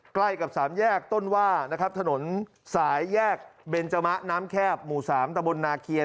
ใกล้กับสามแยกต้นว่านะครับถนนสายแยกเบนจมะน้ำแคบหมู่๓ตะบนนาเคียน